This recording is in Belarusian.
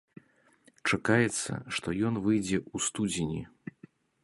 Чакаецца, што ён выйдзе ў студзені.